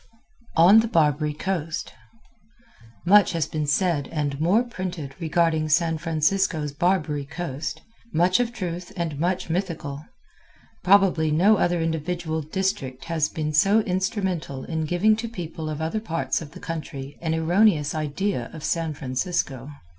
On the Barbary Coast Much has been said and more printed regarding San Francisco's Barbary Coast much of truth and much mythical. Probably no other individual district has been so instrumental in giving to people of other parts of the country an erroneous idea of San Francisco.